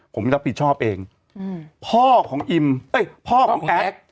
ผมรับผิดชอบเองพ่อของอิมเอ้ยพ่อของแอด